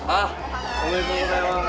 おめでとうございます。